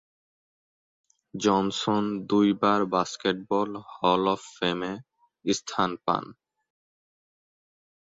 Johnson দুইবার basketball Hall of ফেমে স্থান পান।